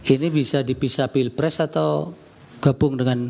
ini bisa dipisah pilpres atau gabung dengan